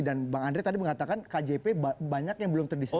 bang andre tadi mengatakan kjp banyak yang belum terdiskusi